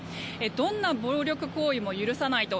どんな暴力行為も許さないと。